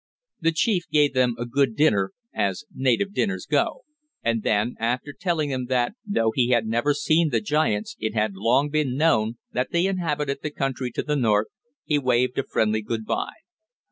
The chief gave them a good dinner, as native dinners go, and then, after telling them that, though he had never seen the giants it had long been known that they inhabited the country to the north, he waved a friendly good bye.